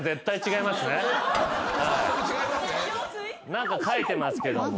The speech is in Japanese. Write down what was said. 何か書いてますけども。